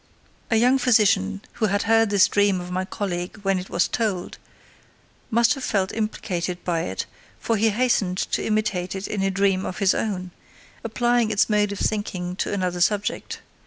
A young physician, who had heard this dream of my colleague when it was told, must have felt implicated by it, for he hastened to imitate it in a dream of his own, applying its mode of thinking to another subject.